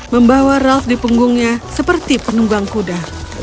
membawa ralf di punggungnya seperti penunggang kuda